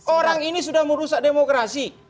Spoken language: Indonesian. orang ini sudah merusak demokrasi